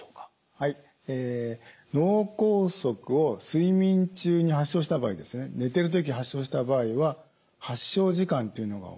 はい脳梗塞を睡眠中に発症した場合ですね寝てる時発症した場合は発症時間っていうのがわかりませんよね。